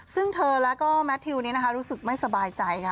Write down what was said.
ซึ่งเธอแล้วก็แมททิวนี้นะคะรู้สึกไม่สบายใจค่ะ